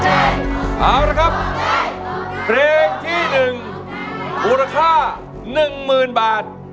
เอาละครับเพลงที่๑มูลค่า๑๐๐๐บาท